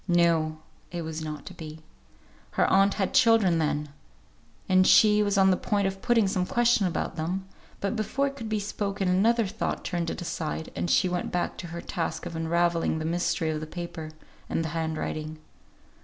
No! it was not to be. Her aunt had children, then; and she was on the point of putting some question about them, but before it could be spoken another thought turned it aside, and she went back to her task of unravelling the mystery of the paper, and the hand writing.